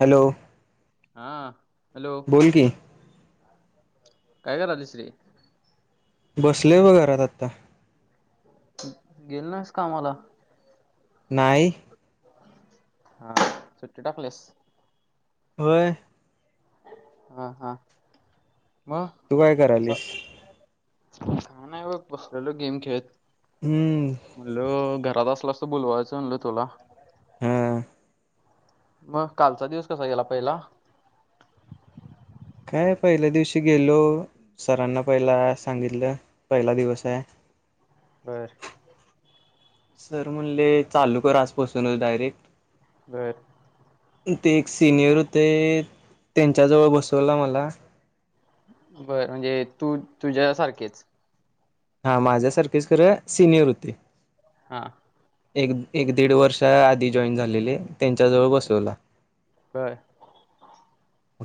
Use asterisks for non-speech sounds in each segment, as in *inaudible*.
Hello हा hello बोल की काय करा लिसरे बसले व घरात आत्ता गेल नास कामाला नाहीय हा सु्टी टाकलेस होय हा हा म तू काय कस करायलीस काय नाय बघ बसलेलो गेम खेळत. हम्म म्हणल घरात असला असं बोलवायचं म्हणल तुला हम् मग कालचा दिवस कसा गेला पहिला काय पहिल्या दिवशी गेलो सरांना पहिला सांगितलं पहिला दिवस आहे बर सर म्हणले चालू कर आजपासूनच डायरेक्ट बर ते एक सिनियर होते त्यांच्याजवळ बसवला मला बरं म्हणजे तू तुझ्यासारखेच हा माझ्यासारखेच खरं सिनियर होते. हा एक एक दीड वर्षा आधी जॉईन झालेले त्यांच्या जवळ बसवला बरं.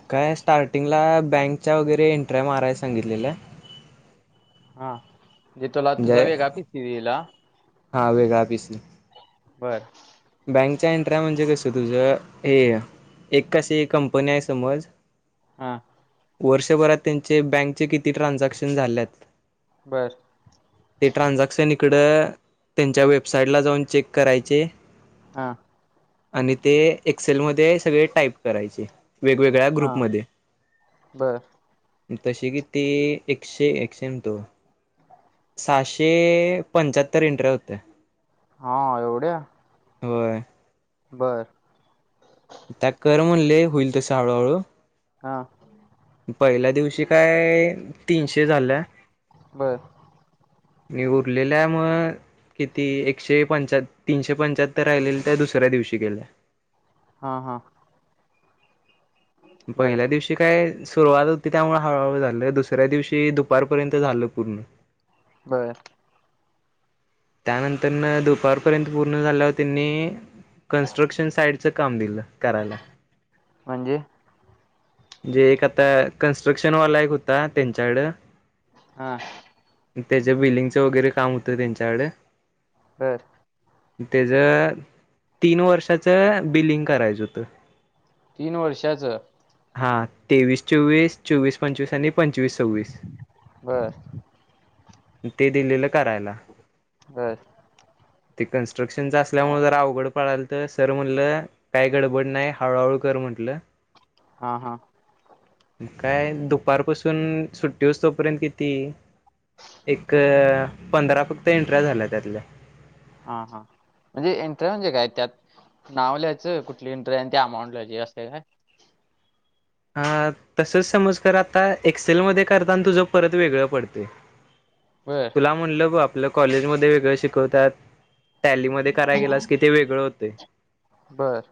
काय स्टार्टिंगला बँकच्या वगैरे इंट्रया माराय सांगितलेल्या. हा जे तुला तुझा वेगळा पीसी दिला. हां वेगळा पीसी बर. बँकचा एंटर्या म्हणजे कस तुझं हे एक कशी कंपनी आहे समज हा. वर्षभरात त्यांचे बँकचे किती ट्रान्झॅक्शन झाल्यात बर. ते ट्रानझॅक्शन इकडं त्यांच्या वेबसाइटला जाऊन चेक करायचे हा आणि ते एक्सेलमध्ये सगळे टाईप करायचे. वेगवेगळ्या हा ग्रुपमध्ये. बर तशी की ती एकशे एकशे म्हणतो सहाशे पंच्याहत्तर इंटऱ्या होत्या. हा एवढ्या? होय. बरं. त्या कर म्हणले होईल तसं हळूहळू हा. पहिल्या दिवशी काय तीनशे झाल्या. बर मी उरलेल्या मग किती एकशे पंचा तीनशे पंच्याहत्तर राहिलेली त्या दुसऱ्या दिवशी केल्या. हा-हा. बर पहिल्या दिवशी ती काय सुरुवात होती त्यामुळे हळूहळू झालं दुसऱ्या दिवशी दुपारपर्यंत झालं पूर्ण. बरं. त्यानंतर दुपारपर्यंत पूर्ण झाल्यावर त्यांनी कन्स्ट्रक्शन साईडचं काम दिलं करायला. म्हणजे? जे एक आता कन्स्ट्रक्शन वाला एक होता त्यांच्याकड हा. त्याच्या बिलिंगचं वगैरे काम होतं त्यांच्याकड. बर. त्याज तीन वर्षाच बिलिंग करायचं होतं. तीन वर्षाचं? हा तेवीस चोवीस चोवीस पंचवीस आणि पंचवीस सव्वीस. बर ते दिलेलं करायला. बर. ते कन्स्ट्रक्शनच असल्यामुळे जरा अवघड पळालत सर म्हटलं काय गडबड नाही हळूहळू कर म्हंटलं हा-हा. काय दुपारपासून सुट्टी होवूस तोपर्यंत किती एक पंधरा फक्त एंट्रया झालया त्यातल्या. हा हा म्हणजे एंट्रया म्हणजे काय त्यात? नाव लिहायचं कुठली इंटरी आहे आणि ते अमाऊंट ल्यायची असत्या काय ह तसच समज कर आता एक्सेलमध्येध्ये करताना तुझ परत वेगळ पडतय. बर जा म्हणल ब आपल कॉलेजमध्ये वेगळ शिकवतात. टॅलीमध्येध्ये कराय गेलास कि ते वेगळ होतय. बर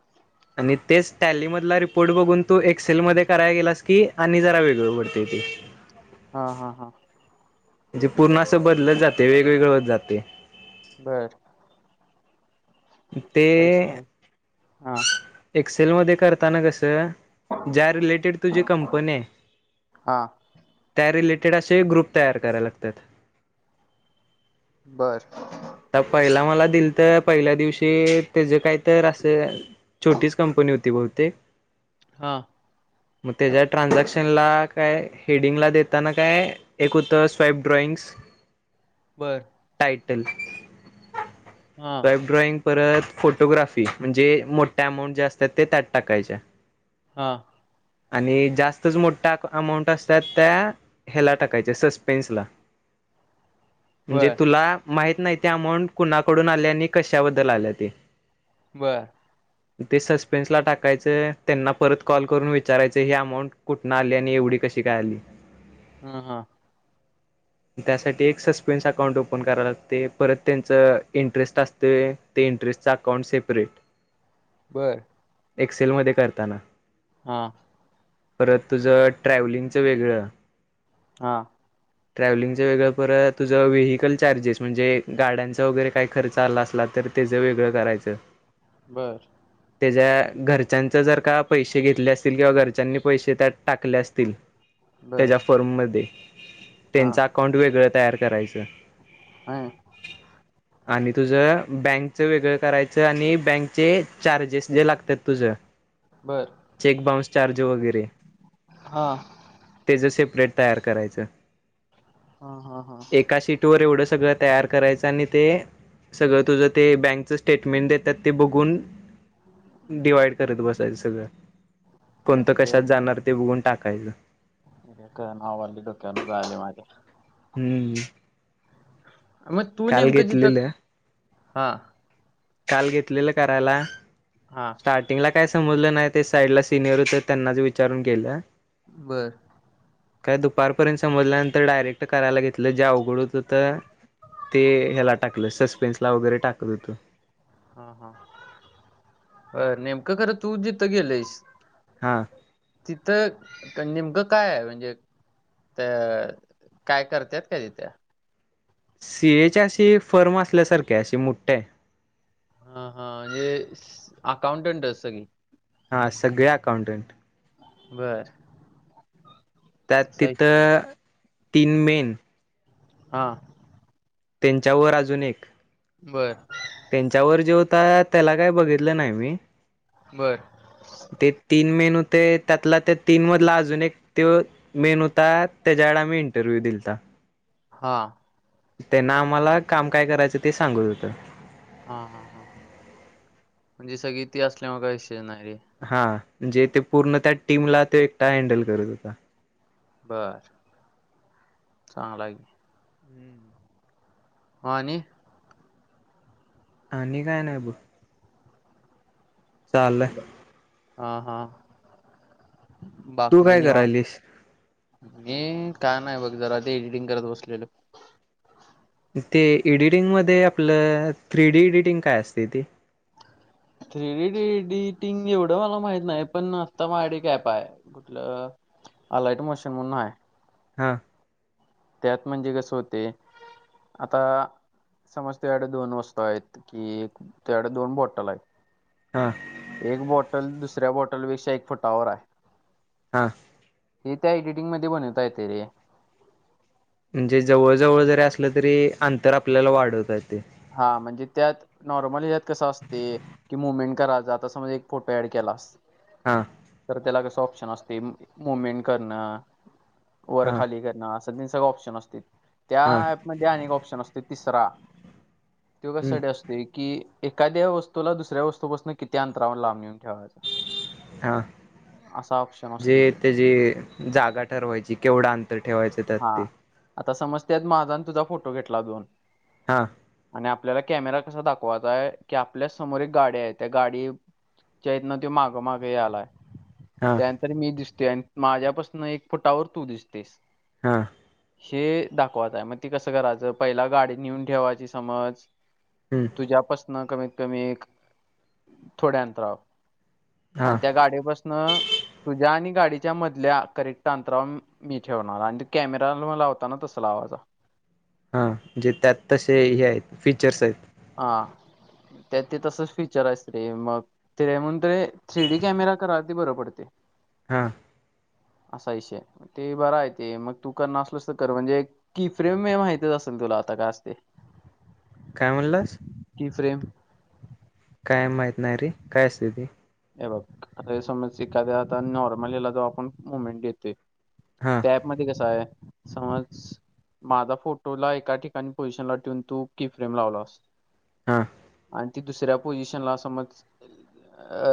आणि तेच टॅलीमधला रिपोर्ट बघून तू एक एक्सेल मध्ये कराय गेलास की आणि जरा वेगळ पडतय ते. हा हा हा म्हणजे पूर्ण अस बदलत जातय. वेगवेगळ होत जातय. बर ते *unintelligible* एक्सेल मध्ये करताना कस ज्या रिलेटेड तुझी कंपनी आहे हा त्या रिलेटेड असे ग्रुप तयार करायला लागतात. बर आता पहिला मला दिलत पहिल्या दिवशी त्याच काय तर अस छोटीच कंपनी होती बहुतेक. हा मग त्याच्या ट्रान्झॅक्शनला काय हेडिंगला देताना काय एक होत स्वेईप ड्रॉईंग्स बर टायटल हा स्वाईप ड्रॉइंग परत फोटोग्राफी. म्हणजे मोठ्या अमाऊंट जे असतात ते त्यात टाकायच्या. हा आणि जास्तच मोठा अमाऊंट असतात त्या ह्याला टाकायच्या सस्पेन्सला. *inaudible* म्हणजे तुला माहित नाही. त्या अमाऊंट कुणाकडून आल्या. आणि कशाबद्दल आल्या ते. बर ते सस्पेन्स ला टाकायच. त्यांना परत कॉल करून विचारायच हे अमाऊंट कु ठन आली. आणि एवढी कशी काय आली. हा त्यासाठी एक सस्पेन्स अकाउंट ओपन करावे लागते. परत त्यांच इंटरेस्ट असतय. ते इंटरेस्टचा अकाउंट सेपरेट बर एक्सेल मध्ये करताना हा परत तुझ ट्रॅव्हलिंगच वेगळ हा ट्रॅव्हलिंगचं वेगळ. परत तुझ व्हीकल चार्जेस म्हणजे गाड्यांचा वगैरे काही खर्च आला असला तर त्याच वेगळ करायच. बर त्याच्या घरच्यांच जर का पैसे घेतले असतील. किंवा घरच्यांनी पैसे त्यात टाकले असतील. *inaudible* त्याच्या फर्ममध्ये त्यांच अकाउंट वेगळ तयार करायच. ह आणि तुझ बँकच वेगळ करायच. आणि बँकचे चार्जेस जे लागतात तुझ बर चेक बाउन्स चार्ज वगैरे हां- तेज सेपरेट तयार करायचं हा हा हा एकाशी- सर एवढं सगळं तयार. करायचं आणि ते सगळं तुझं ते बँकच स्टेटमेंट देतात ते बघून डिवाइड करत बसायचं सगळं कोणतं अरे कशात जाणार ते बघून टाकायचं- नावाली डोक्यान झाले माझ्या हम्म. मग तू काल नेमकं जिथं घेतलेलं हां काल घेतलेलं करायला हा. स्टार्टिंगला काय समजलं नाही ते साईड ला सिनियर होत त्यांनाच विचारून केलं. बर काय दुपारपर्यंत समजल्यानंतर डायरेक्ट करायला घेतलं जे अवघड होतहुत- - ते ह्याला टाकलं सस्पेन्स ला वगैरे टाकत हुतो हां हां बर नेमकं खरं तू जिथं गेलेयंस हां. तिथं नेमकं काय आहे म्हणजे. तर काय करतात का तिथ. सीएचे अशी फर्म असल्या सारखे अस मुट्टे. हा हा म्हणजे अकाउंटंट आहे सगळी. हा सगळे अकाउंटंट. बरं त्यात तिथं तीन मेन- हा त्यांच्यावर अजून एक- बरं त्यांच्यावर जे होता त्याला काय बघितलं नायी मी. बर ते तीन मेन होते त्यातला त्या तीन मधला अजून एक ते. मेन होतात त्याच्या्या वडाम्ही इंटरव्ह्यू दिलतात. हां. त्यांना आम्हाला काम काय करायचं ते सांगत होतं. हां हां हां म्हणजे सगळी ती असल्यामुळ काय विषय नाही रे. हां जे ते पूर्ण त्या टीमला ते एकटा हँडल करत होता. बरं- चांगला आहेकी हुं- ह आणि आणि काय नाय बघ- चालल्य. हा हा तू बाकी काय जण करायलीस हे काय नाही बघ जरा ते एडिटिंग करत बसलेलो. ते एडिटिंगमध्येध्ये आपलं थ्री डी एडिटिंग काय असते ते. थ्री डी डिटिंग एवढं मला माहित नाही पण आता मायडी कॅप आहे कुठलं. आलायट मोशन म्हणून हाय. हां- त्यात म्हणजे कसं होते आता समज त्याडे दोन वस्तू आहेत, कि त्याजाकड दोन बॉटल हायत. हा. एक बॉटल दुसऱ्या बॉटलपेक्षा एक फुटावर आहे. हा हें त्या एडिटिंग मध्ये बनवीता येते रे. म्हणजे जवळ जवळ जरी असलं तरी अंतर आपल्याला वाढवत य ते हा म्हणजे त्यात नॉर्मली यात कसं असतंय की मुवमेंट करायचात एक फोटो ऍड केलास - हा तर त्याला कस ऑप्शन असते मुवमेंट करणं वर हा खाली क असं तन सगळ ऑप्शन असतेात त्या हा ऍपमध्ये अनेक ऑप्शन असते तिसरा त्यो हम्म काशासाठी असतोय की, एकाद्या वस्तूला दुसऱ्या वस्तूपासनं किती अंतरावर लांब येऊन ठेवायचा. हां- असा ऑप्शन- जे असतोय तो ते जे जागा ठरवायची केवढं अंतर ठेवायचं त्यात हा ते आता समज त्यात महाजाने तुझा फोटो घेतला दोन हा आणि आपल्याला कॅमेरा कसा दाखवायचा आहे की आपल्या समोर एक गाडी्या आहे त्या गाडी च्याहीतनं त्यो मागं मागं यालायं- हा त्यानंतर मी दिसते आणि माझ्यापासन एक फुटावर तू दिसतेस हा हे दाखवात आहे मग ते कसं करायचं पहिला गाडी नेऊन ठेवायची समज हम्म तुझ्यापासन कमीत कमी एक थोड्यांतराव हा आणि त्या गाडी बसन तुझ्या आणि गाडीच्या मधल्या करेक्ट अंतराव मी ठेवणार आणि ते कॅमेरा जवा लावतानां तस लावायचा. हां जे त्यात तसे हे हायत फीचर्स आहे- हा त्या ते तसच फीचर आहे रे मग तेज्या म्हणून ते थ्री डी कॅमेरा करा ते बर पडतंय. हां- असा विषय ते बरा आहे ते मग तू करणार असलोस तर कर म्हणजे की फ्रेम म माहतीच असेल तुला आता काय असते काय म्हणलास *inaudible* काय माहत नाही रे काय असते ती हे बघ अरे समज एखाद्या आता नॉर्मल हला जो आपण मुवमेंट देतोय हा कॅप मध्ये कसा आहे समज माझा फोटोला एका ठिकाणी पोझिशनला ठेवून तू की फ्रेम लावला हा असत आणि ती दुसऱ्या पोझिशन ला समज अ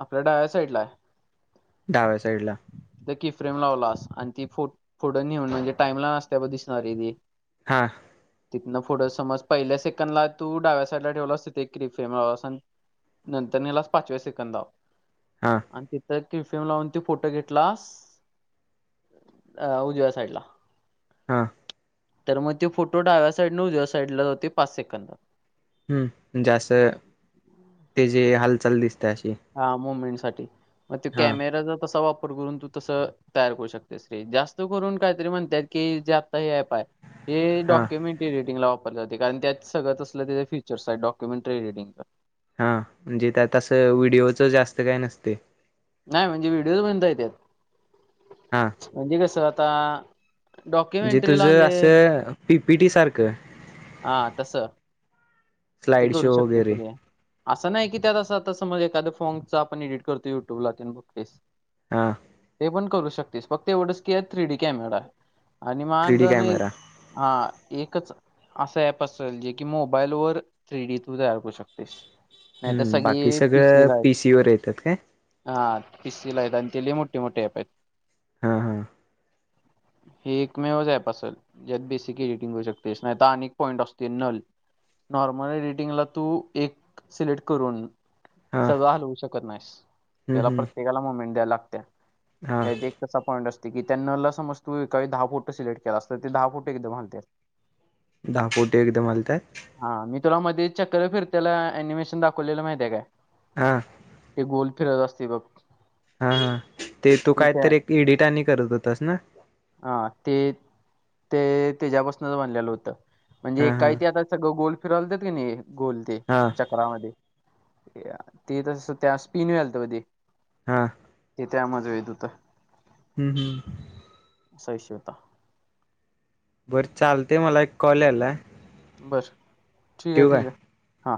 आपल्या डाव्या साईड ला आहे डाव्या साईड ला त की फ्रेम लावलास आणि ती फोढं नेऊन म्हणजे टाइमला नसते ब दिसणार आहे ती हा तिथनं फोटं समज पहिल्या सेकंडला तू डाव्या साईडला ठेवला तिे क्रिफम नंतर येताच पाचव्या सेकंदाव हां आणि तिथं किफिएम लावून त फोटो घेतलास उजव्या साईडला हां तर मग ते फोटो डाव्या साईड न उजव्या साईड ला होते पाच सेकंदला हम् जास्त ते जे हालचाल दिसते अशी हा मुवमेंट साठी मग तो हा कॅमेराचा तसा वापर करून तू तस तयार करू शकते स्त्री जास्त करून काहीतरी म्हणतात की जे आता हे ऍप आहे. हे हा डॉक्युमेंटरी रिडिंग ला वापरलं जात कारण त्यात सगळं तसलं ते फीचर्स आहेत डॉक्युमेंटरी रिडिंग हा म्हणजे त्यातसं व्हिडिओचं जास्त काय नसते. नाही म्हणजे व्हिडिओज बनता येत. हा. म्हणजे कस आता जे डॉक्युमेंटरीला तुझं म्हणजे असं पीपीटी सारखं. हा तस ते स्लाइड करू शो शकते वगैरे सगळे. असं नाही की त्यां आता समज एखाद फॉर्मचा आपण एडिट करतो युट्यूबला ब फेस हा. पण करू शकस फक्त एवढच की थ्री डी कॅमेरा आणि मा. थ्री डी कॅमेरा हा एकच असा ऍप असेल जे की मोबाईल वर थ्री डी तू तयार करू शकत. नाही तर हम्म बाकी सगळे पीसी सगळं ला आहे. वर येतात काय हा पीसी ला आहेत आणि ते लय मोठे मोठे अँप आहेत. हा हा. हे एक मेवच अँप असेल ज्यात बेसिक एडिटिंग होऊ शकते. नाहीता अनेक पॉईंट असतील नल नॉर्मल रेटिंगला तू एक सिलेक्ट करून हा सगळं हलवू शकत नाहीस हम्म त्याला हम्म प्रत्येकाला मुमेंट द्यायला हा लागते. तसा पॉईंट असते की त्यांना समज तू एकाही दहा फुटं सिलेक्ट केला असत तर ते दहा फुटं एकदा घालते. दहा फुटी एकदम आलत. हा मी तुला मध्ये चक्कर फिरतेला अनिमेशन दाखवलेलं माहित आहे काय? हा. ते गोल फिरत असते बघ. हा हा ते तू कायतरी एक एडिट आणि करत होतास ना. हा ते ते त्याच्यापासूनच बनलेले होतं म्हणजे हा हा काही ते आता सगळं गोल फिरवतात क नाही गोल ते हा. चक्रमध्ये ते तस त्या स्पिन वलत मध्ये *unintelligible* ते त्यामध्येज येत होतं. हम्म हम्म. सविष्वता. बरं चालते मला एक कॉल यायला. बर ठीक आहे ठीक आहे हां.